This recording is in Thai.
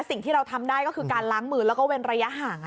สิ่งที่เราทำได้ก็คือการล้างมือแล้วก็เว้นระยะห่าง